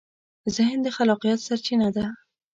ذهن د خلاقیت سرچینه ده.